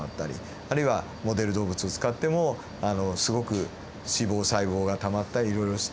あるいはモデル動物を使ってもすごく脂肪細胞がたまったりいろいろして。